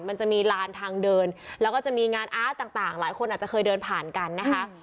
มันจะมีลานทางเดินแล้วก็จะมีงานอาร์ตต่างหลายคนอาจจะเคยเดินผ่านกันนะคะ